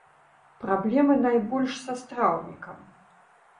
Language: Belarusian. Праблемы найбольш са страўнікам.